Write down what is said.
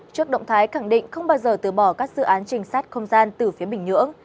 trước động thái khẳng định không bao giờ từ bỏ các dự án trình sát không gian từ phía bình nhưỡng